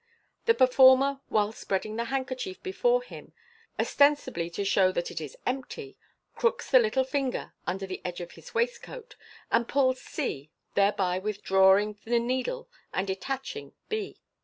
The performer, while spreading the handker chief before him, osten sibly to show that it is empty, crooks the little finger under the edge of his waistcoat, and pulls c, thereby withdrawing the needle and detaching b.